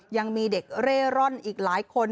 ยังมีเด็กเร่ร่อนอีกหลายคน